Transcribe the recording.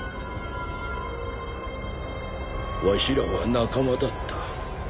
わしらは仲間だった。